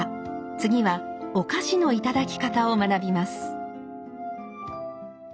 次はお菓子の頂き方を学びます。